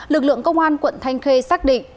lực lượng công an quận thanh khê xác định